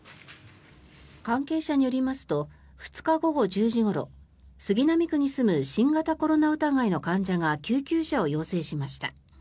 関係者によりますと２日午後１０時ごろ杉並区に住む新型コロナ疑いの患者が救急車を要請しました。